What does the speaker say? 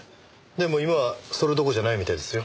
でも今はそれどころじゃないみたいですよ。